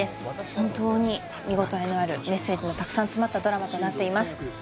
本当に見応えのあるメッセージのたくさん詰まったドラマとなっています